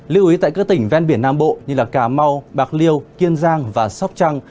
lưu ý tại các tỉnh ven biển nam bộ như cà mau bạc liêu kiên giang và sóc trăng